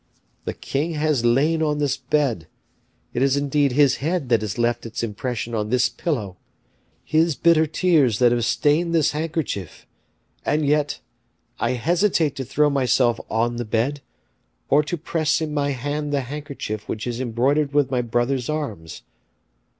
the king has lain on this bed; it is indeed his head that has left its impression on this pillow; his bitter tears that have stained this handkerchief: and yet, I hesitate to throw myself on the bed, or to press in my hand the handkerchief which is embroidered with my brother's arms.